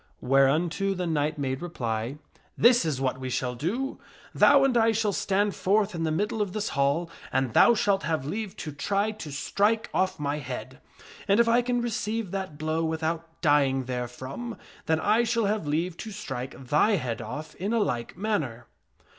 " Whereunto the knight made reply, " This is what we shall do : Thou and I shall stand forth in the middle of this hall, and thou shalt have leave to try to strike off my head ; and if I can receive that blow without dying therefrom, then I shall have leave to strike thy head off in a like manner."